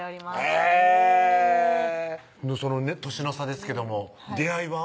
へぇそのね歳の差ですけども出会いは？